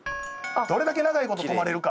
どれだけ長い事止まれるか。